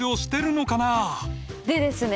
でですね